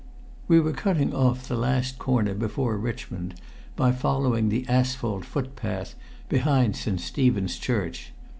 We were cutting off the last corner before Richmond by following the asphalt foot path behind St. Stephen's Church.